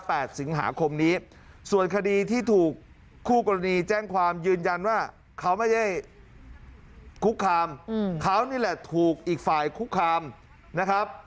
สิงหาคมนี้ส่วนคดีที่ถูกคู่กรณีแจ้งความยืนยันว่าเขาไม่ได้คุกคามเขานี่แหละถูกอีกฝ่ายคุกคามนะครับ